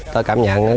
tôi cảm nhận nó rất là